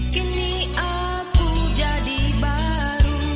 kini aku jadi baru